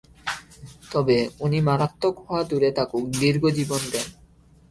তবে উনি মারাত্মক হওয়া দূরে থাকুক, দীর্ঘ জীবন দেন।